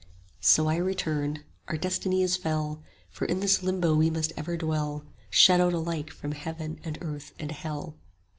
So I returned. Our destiny is fell; 55 For in this Limbo we must ever dwell, Shut out alike from heaven and Earth and Hell.